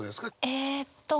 えっと。